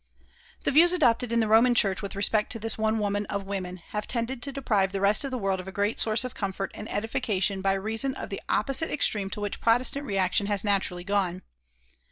The views adopted in the Roman Church with respect to this one Woman of women have tended to deprive the rest of the world of a great source of comfort and edification by reason of the opposite extreme to which Protestant reaction has naturally gone.